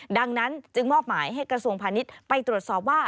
ดังนั้นจึงมอบหมายให้กระทรวงพาณิชย์ไปตรวจสอบว่า